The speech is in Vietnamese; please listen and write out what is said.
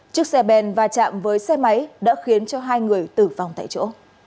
trước xe bèn và chạm với xe máy đã khiến cho hai người tử vong tại chỗ